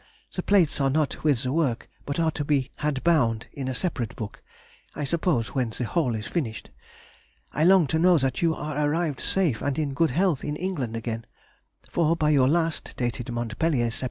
The plates are not with the work, but are to be had bound in a separate book (I suppose when the whole is finished). I long to know that you are arrived safe and in good health in England again, for by your last, dated Montpellier, Sept.